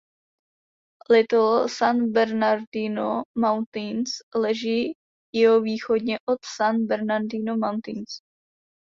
Little San Bernardino Mountains leží jihovýchodně od San Bernardino Mountains.